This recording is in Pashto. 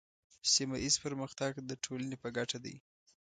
سیمه ایز پرمختګ د ټولنې په ګټه دی.